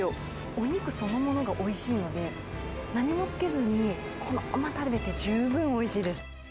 お肉そのものがおいしいので、何もつけずにこのまま食べて十分おいしいです。